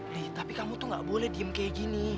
ri tapi kamu tuh nggak boleh diem kayak gini